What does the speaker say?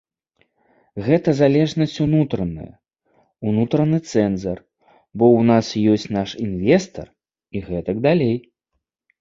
Гэта залежнасць унутраная, унутраны цэнзар, бо ў нас ёсць наш інвестар і гэтак далей.